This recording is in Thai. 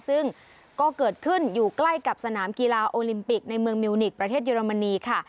ซึ่งก็เกิดขึ้นอยู่ใกล้กับสนามกีฬาโอลิมปิกในเมืองมิวนิกประเทศเยอรมนีค่ะ